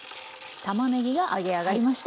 たまねぎが揚げ上がりました。